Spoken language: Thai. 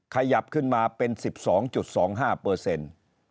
ขยับขึ้นมาเป็น๑๒๒๕เปอร์เซ็นต์